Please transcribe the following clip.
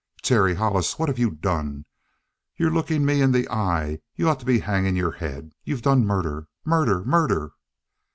"Terry Hollis, what have you done? You're lookin' me in the eye, but you ought to be hangin' your head. You've done murder! Murder! Murder!"